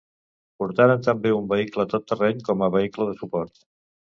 Portaren també un vehicle tot terreny com a vehicle de suport.